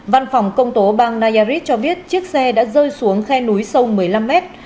văn phòng công tố bang nayaris cho biết chiếc xe đã rơi xuống khe núi sâu một mươi năm mét